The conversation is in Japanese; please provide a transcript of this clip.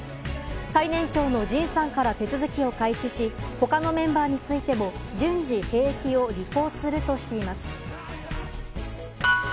最年長のＪＩＮさんから手続きを開始し他のメンバーについても順次、兵役を履行するとしています。